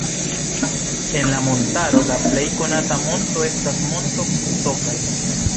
En la montaro la plej konata monto estas Monto Tokaj.